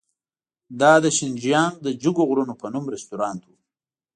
دا د شینجیانګ د جګو غرونو په نوم رستورانت و.